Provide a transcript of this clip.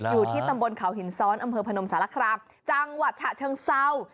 อยู่ที่ตำบลเขาหินซ้อนอำเภอพนมสารครามจังหวัดฉะเชิงเศร้า